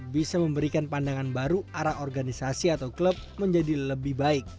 bisa memberikan pandangan baru arah organisasi atau klub menjadi lebih baik